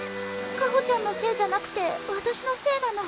香穂ちゃんのせいじゃなくて私のせいなの。